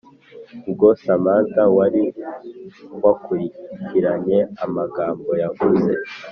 ubwo samantha wari wakurikiranye amagambo yavuze